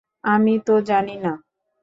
আমি তো জানি না।